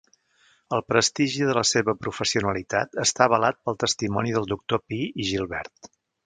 El prestigi de la seva professionalitat està avalat pel testimoni del doctor Pi i Gilbert.